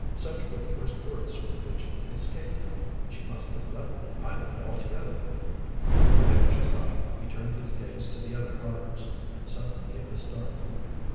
Such were the first words which escaped him. "She must have left the island altogether!" With anxious eye he turned his gaze to the other harbors, and suddenly gave a start.